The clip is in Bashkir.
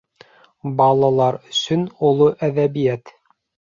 БАЛАЛАР ӨСӨН ОЛО ӘҘӘБИӘТ